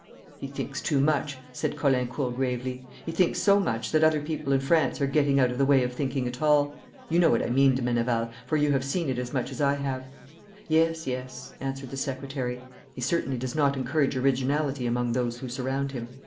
'He thinks too much,' said Caulaincourt, gravely. 'He thinks so much that other people in France are getting out of the way of thinking at all. You know what I mean, de Meneval, for you have seen it as much as I have.' 'Yes, yes,' answered the secretary. 'He certainly does not encourage originality among those who surround him.